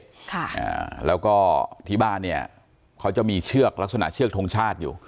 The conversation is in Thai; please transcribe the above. อ่าแล้วก็ที่บ้านเนี้ยเขาจะมีเชือกลักษณะเชือกทงชาติอยู่